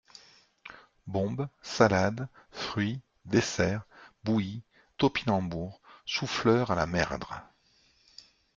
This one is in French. Bombe, salade, fruits, dessert, bouilli, topinambours, choux-fleurs à la merdre.